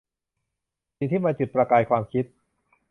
สิ่งที่มาจุดประกายความคิด